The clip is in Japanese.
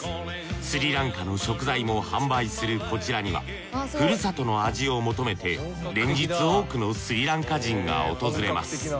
スリランカの食材も販売するこちらにはふるさとの味を求めて連日多くのスリランカ人が訪れます。